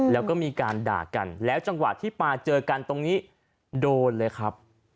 แล้วก็มีการด่ากันแล้วจังหวะที่มาเจอกันตรงนี้โดนเลยครับ